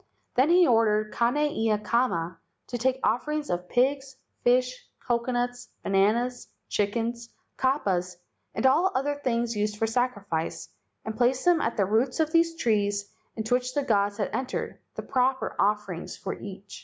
Then he ordered Kane ia kama to take offerings of pigs, fish, co¬ conuts, bananas, chickens, kapas, and all other things used for sacrifice, and place them at the roots of these trees into which the gods had entered, the proper offerings for each.